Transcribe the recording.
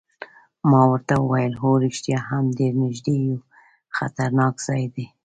ما ورته وویل: هو رښتیا هم ډېر نږدې یو، خطرناک ځای دی.